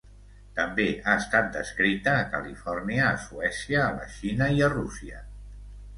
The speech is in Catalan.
També ha estat descrita a Califòrnia, a Suècia, a la Xina i a Rússia.